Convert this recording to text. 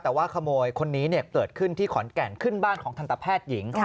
แต่ว่าขโมยคนนี้เกิดขึ้นที่ขอนแก่นขึ้นบ้านของทันตแพทย์หญิง